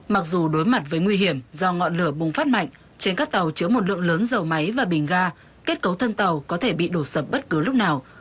mặc dù đối mặt với nguy hiểm do ngọn lửa bùng phát mạnh trên các tàu chứa một lượng lớn dầu máy và bình ga kết cấu thân tàu có thể bị đổ sập bất cứ lúc nào